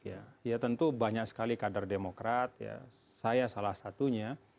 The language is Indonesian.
ya tentu banyak sekali kader demokrat ya saya salah satunya